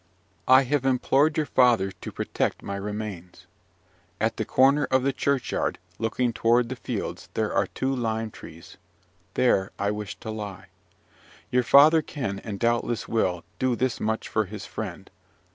"I have implored your father to protect my remains. At the corner of the churchyard, looking toward the fields, there are two lime trees there I wish to lie. Your father can, and doubtless will, do this much for his friend.